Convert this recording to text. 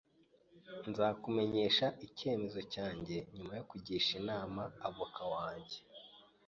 Nzakumenyesha icyemezo cyanjye nyuma yo kugisha inama avoka wanjye.